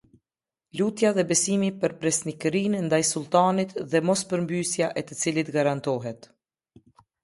Lutja dhe betimi për besnikërinë ndaj sulltanit dhe mospërmbysja e të cilit garantohet.